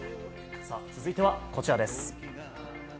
続いては、こちらです。